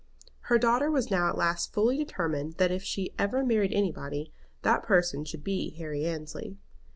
Her daughter was now at last fully determined that if she ever married anybody, that person should be Harry Annesley.